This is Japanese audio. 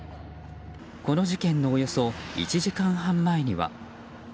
この事件のおよそ１時間半前には。